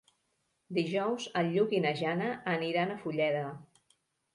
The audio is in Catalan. Dijous en Lluc i na Jana aniran a Fulleda.